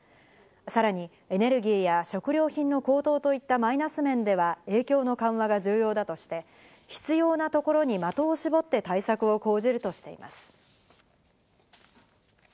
さらにエネルギーや食料品の高騰といったマイナス面では影響の緩和が重要だとして、必要なところに的を絞って対策を講じるとしています。